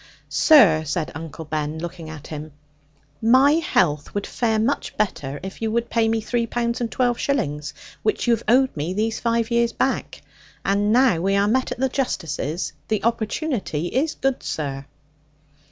'Sir,' said Uncle Ben, looking at him, 'my health would fare much better, if you would pay me three pounds and twelve shillings, which you have owed me these five years back; and now we are met at the Justice's, the opportunity is good, sir.'